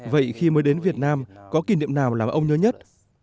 vậy khi mới đến việt nam có kỷ niệm nào là ông nhớ nhất